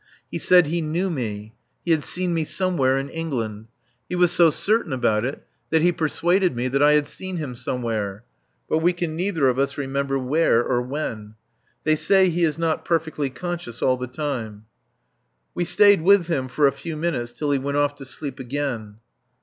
He said he knew me; he had seen me somewhere in England. He was so certain about it that he persuaded me that I had seen him somewhere. But we can neither of us remember where or when. They say he is not perfectly conscious all the time. We stayed with him for a few minutes till he went off to sleep again.